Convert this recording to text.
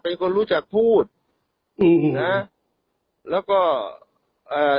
เป็นคนรู้จักพูดอืมนะแล้วก็เอ่อ